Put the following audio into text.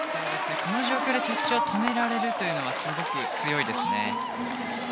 この状況で着地を止められるというのはすごく強いですね。